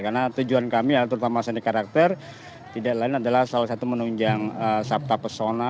karena tujuan kami terutama seni karakter tidak lain adalah salah satu menunjang sabta pesona